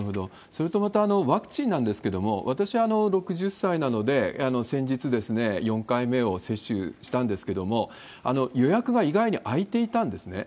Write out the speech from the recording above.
それとまた、ワクチンなんですけれども、私は６０歳なので、先日、４回目を接種したんですけども、予約が意外に空いていたんですね。